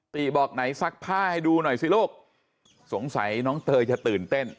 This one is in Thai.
บอกไหนซักผ้าให้ดูหน่อยสิลูกสงสัยน้องเตยจะตื่นเต้น